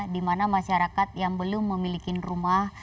di mana masyarakat yang belum memiliki rumah